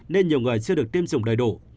nên nhiều người chưa được tiêm chủng đầy đủ